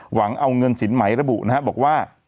หวังเอาเงินสินไหมระบุบอกว่า